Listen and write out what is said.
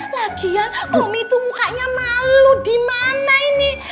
lagian momi tuh mukanya malu di mana ini